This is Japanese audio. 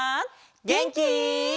げんき？